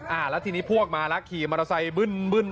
แล้วทีนี้พวกเรามารักขี่มอเฉยบึ้น